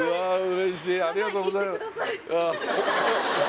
嬉しいありがとうございます